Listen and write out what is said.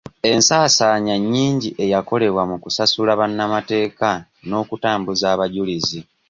Ensasaanya nyingi eyakolebwa mu kusasula bannamateeka n'okutambuza abajulizi.